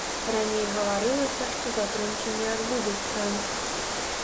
Раней гаварылася, што затрымкі не адбудзецца.